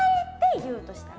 言うとしたら？